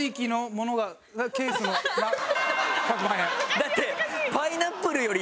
だって。